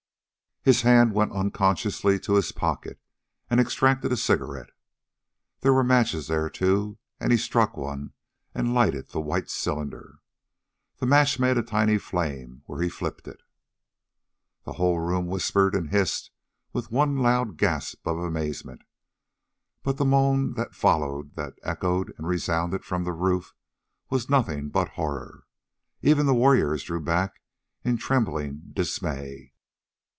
His hand went unconsciously to his pocket and extracted a cigarette. There were matches there, too, and he struck one and lighted the white cylinder. The match made a tiny flame where he flipped it. The whole room whispered and hissed with one loud gasp of amazement, but the moan that followed, that echoed and resounded from the roof, was of nothing but horror. Even the warriors drew back in trembling dismay.